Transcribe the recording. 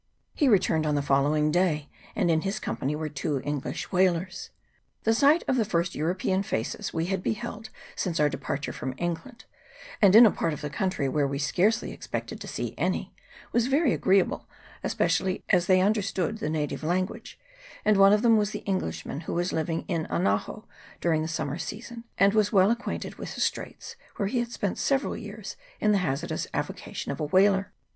He returned on the follow ing day, and in his company were two English whalers. The sight of the first European faces we had beheld since our departure from England, and in a part of the country where we scarcely expected to see any, was very agreeable, especially as they understood the native language, and one of them was the Englishman who was living in Anaho during the summer season, and was well acquainted with the Straits, where he has spent several years in the hazardous avocation of a whaler.